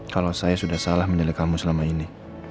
kalau saya sudah salah menjelek kamu selama ini